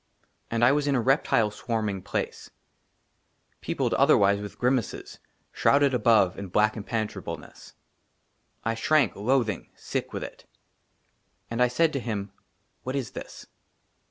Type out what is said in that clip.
AND I WAS IN A REPTILE SWARMING PLACE, PEOPLED, OTHERWISE, WITH GRIMACES, SHROUDED ABOVE IN BLACK IMPENETRABLENESS. I SHRANK, LOATHING, SICK WITH IT. AND I SAID TO HIM, " WHAT IS THIS